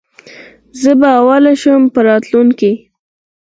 زه به اول شم په راتلونکې کي